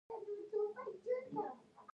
یو سل او شلمه پوښتنه د نوي کارکوونکي رخصتي ده.